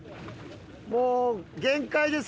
もう限界です